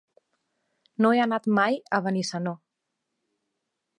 No he anat mai a Benissanó.